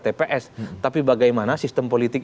tps tapi bagaimana sistem politik